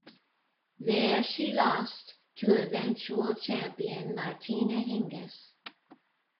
There she lost to eventual champion Martina Hingis.